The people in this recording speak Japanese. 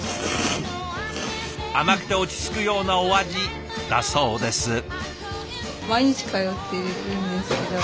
甘くて落ち着くようなお味だそうです。